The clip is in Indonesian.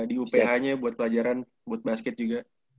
di uph nya buat pelajaran buat basket juga